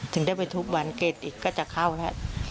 ถึงได้ไปทุกวันเกรดอีกก็จะเข้าแล้ว